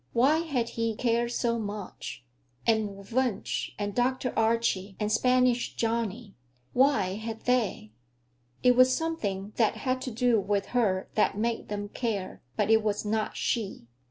Why had he cared so much? And Wunsch, and Dr. Archie, and Spanish Johnny, why had they? It was something that had to do with her that made them care, but it was not she.